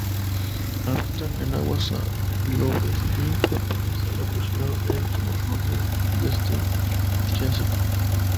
Habitan en aguas salobres y apenas han evolucionado en su morfología desde el Triásico.